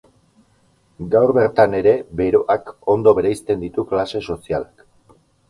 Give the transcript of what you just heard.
Gaur bertan ere beroak ondo bereizten ditu klase sozialak.